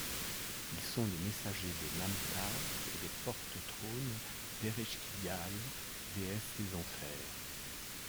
Ils sont les messagers de Namtar et les porte-trônes d'Ereshkigal, déesse des Enfers.